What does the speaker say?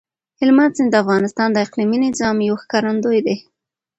هلمند سیند د افغانستان د اقلیمي نظام یو ښکارندوی دی.